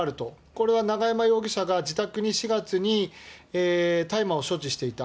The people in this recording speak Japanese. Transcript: これは永山容疑者が自宅に４月に大麻を所持していた。